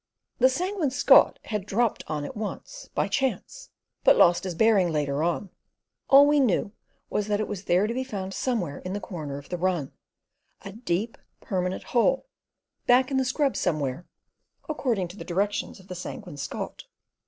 The Sanguine Scot had "dropped on it once," by chance, but lost his bearing later on. All we knew was that it was there to be found somewhere in that corner of the run—a deep permanent hole, "back in the scrub somewhere," according to the directions of the Sanguine Scot.